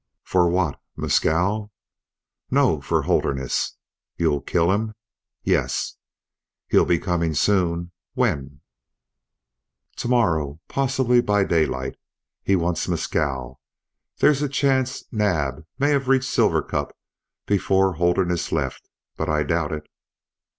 "For what? Mescal?" "No. For Holderness." "You'll kill him!" "Yes." "He'll be coming soon? When?" "To morrow, possibly by daylight. He wants Mescal. There's a chance Naab may have reached Silver Cup before Holderness left, but I doubt it."